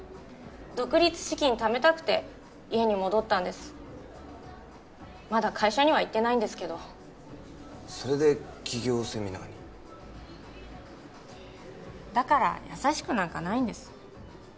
独立資金ためたくて家に戻ったんですまだ会社には言ってないんですけどそれで起業セミナーにだから優しくなんかないんです